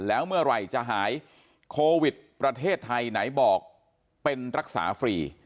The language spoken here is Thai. แล้วเมื่อไหร่จะหายโควิดประเทศไทยไหนบอกเป็นรักษาฟรี